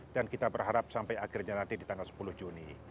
dan kita berharap sampai akhirnya nanti di tanggal sepuluh juni